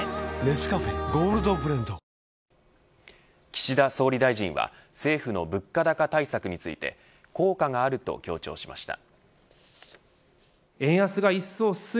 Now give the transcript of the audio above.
岸田総理大臣は政府の物価高対策について効果があると強調しました。